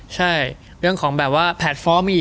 ใช่เรื่องของแบบว่าแพลตฟอร์มอีก